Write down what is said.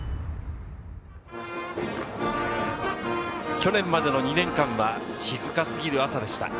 去年までの２年間は静かすぎる朝でした。